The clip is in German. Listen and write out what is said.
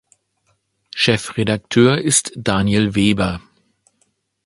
Chefredaktor ist Daniel Weber.